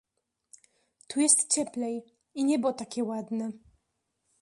"Tu jest cieplej i niebo takie ładne."